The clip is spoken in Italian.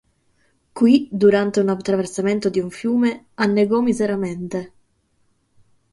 Qui durante un attraversamento di un fiume, annegò miseramente.